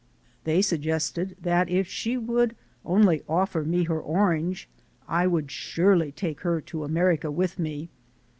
They suggested that if she would only offer me her orange I would surely take her to America with me.